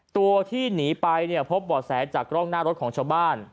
ตัวที่หนีไปเนี่ยพบบ่อแสจากกล้องหน้ารถของชาวบ้าน